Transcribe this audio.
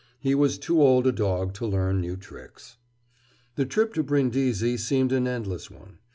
He was too old a dog to learn new tricks. The trip to Brindisi seemed an endless one.